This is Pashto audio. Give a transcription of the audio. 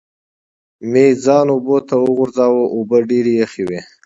مې ځان اوبو ته وغورځاوه، اوبه ډېرې یخې وې.